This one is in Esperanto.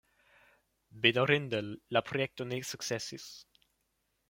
Bedaŭrinde la projekto ne sukcesis.